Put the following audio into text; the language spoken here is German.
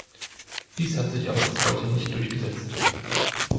Dies hat sich aber bis heute nicht durchgesetzt.